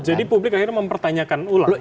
jadi publik akhirnya mempertanyakan ulang